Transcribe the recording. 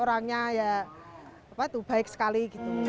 orangnya baik sekali